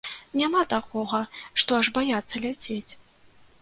Няма такога, што аж баяцца ляцець.